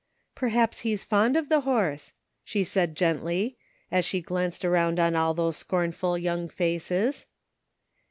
" Perhaps he's fond of the horse," she said gently, as she glanced around on all those scornful young faces.